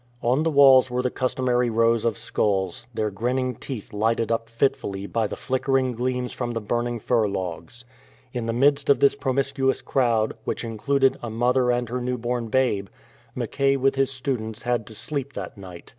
On the walls were the customary rows of skulls, their grinning teeth lighted up fitfully by the flicker ing gleams from the burning fir logs. In the midst of this promiscuous crowd, which included a mother and her new born babe, Mackay with his students had to sleep that night.